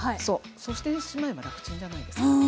そうしてしまえば楽ちんじゃないですか。